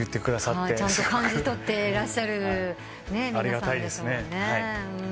ちゃんと感じ取ってらっしゃる皆さんですもんね。